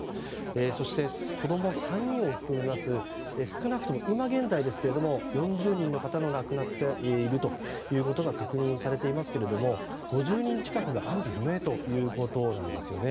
そして、子供３人を含みます少なくとも、今現在ですが４０人の方が亡くなっているということが確認されていますけども５０人近くが安否不明ということです。